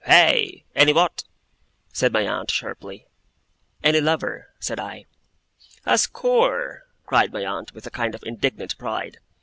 Hey? Any what?' said my aunt, sharply. 'Any lover,' said I. 'A score,' cried my aunt, with a kind of indignant pride.